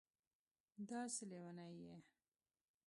دا څه لېونی یې